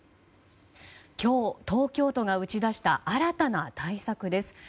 今日、東京都が打ち出した新たな対策です。